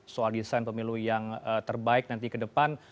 soal desain pemilu yang terbaik nanti ke depan